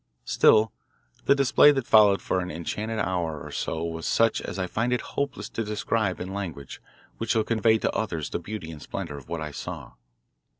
Still, the display that followed for an enchanted hour or so was such as I find it hopeless to describe in language which shall convey to others the beauty and splendour of what I saw.